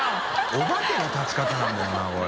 お化けの立ち方なんだよなこれ。